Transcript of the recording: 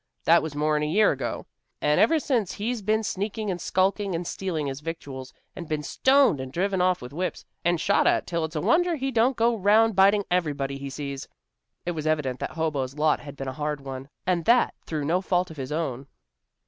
That was more'n a year ago. And ever since he's been sneaking and skulking and stealing his victuals, and been stoned and driven off with whips, and shot at till it's a wonder he don't go 'round biting everybody he sees." It was evident that Hobo's lot had been a hard one, and that through no fault of his own.